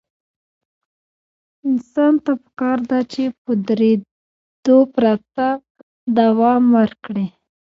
انسان ته پکار ده چې په درېدو پرته دوام ورکړي.